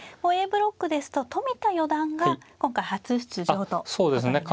Ａブロックですと冨田四段が今回初出場となりますね。